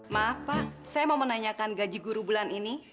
maaf pak saya mau menanyakan gaji guru bulan ini